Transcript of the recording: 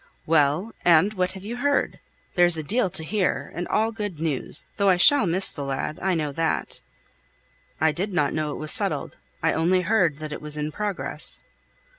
"Well! and what have you heard? There's a deal to hear, and all good news, though I shall miss the lad, I know that." "I did not know it was settled; I only heard that it was in progress."